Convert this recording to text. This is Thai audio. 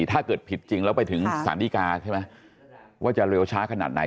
ถ้าเกิดผิดจริงแล้วไปถึงสารดีกาใช่ไหมว่าจะเร็วช้าขนาดไหน